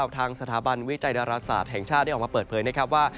ทางสถาบันวิจัยดาราศาสตร์แห่งชาติได้ออกมาเปิดเผยนะครับว่า